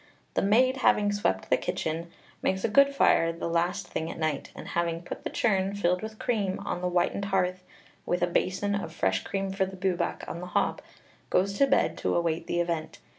The maid having swept the kitchen, makes a good fire the last thing at night, and having put the churn, filled with cream, on the whitened hearth, with a basin of fresh cream for the Bwbach on the hob, goes to bed to await the event.